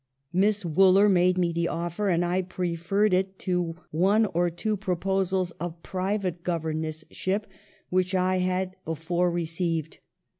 Miss Wooler made me the offer, and I preferred it to one or two proposals of private governess ship which I had before received.